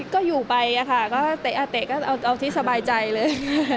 ก็อยู่ไปอะค่ะก็เตะก็เอาที่สบายใจเลย